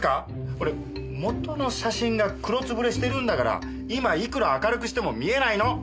これ元の写真が黒つぶれしてるんだから今いくら明るくしても見えないの！